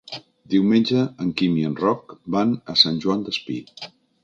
Diumenge en Quim i en Roc van a Sant Joan Despí.